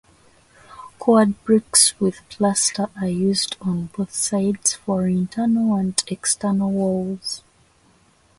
Cored bricks with plaster are used on both sides for internal and external walls.